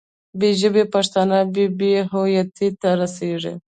بې ژبې پښتانه به بې هویتۍ ته رسېږي.